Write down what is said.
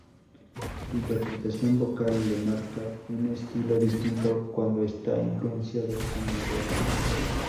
Su interpretación vocal, le marca un estilo distinto cuando está influenciado con el rock.